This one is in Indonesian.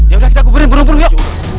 yaudah kita kuberin burung burung yuk